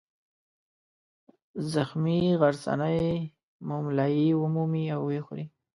زخمي غرڅنۍ مُملایي ومومي او ویې خوري.